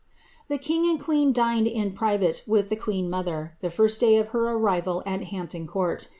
The king and queen dined in private with the queen mother, the first day of her arrival at Hampton Court.